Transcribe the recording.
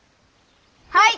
はい！